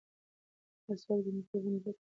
مسواک د مکروبونو ضد کار کوي.